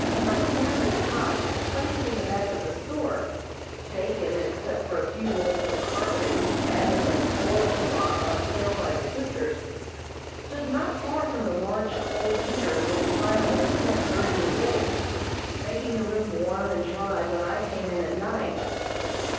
My canvas cot, placed in the back of the store, vacant except for a few rolls of carpeting, matting and oil cloth on sale by the sisters, stood not far from the large coal heater in which fire was kept during the day, making the room warm and dry when I came in at night.